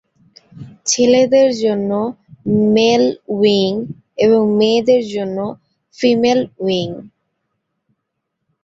ছেলেদের জন্য male wing এবং মেয়েদের জন্য ফিমেল উইং।